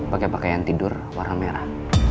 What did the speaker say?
pakai pakaian tidur warna merah